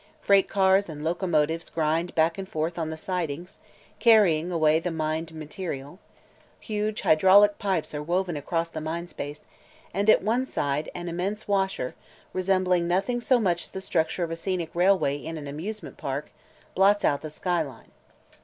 Freight cars and locomotives grind back and forth on the sidings, carrying away the mined material; huge hydraulic pipes are woven across the mine space; and at one side an immense washer, resembling nothing so much as the structure of a scenic railway in an amusement park, blots out the sky line.